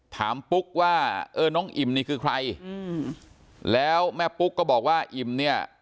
ปุ๊กว่าเออน้องอิ่มนี่คือใครอืมแล้วแม่ปุ๊กก็บอกว่าอิ่มเนี่ย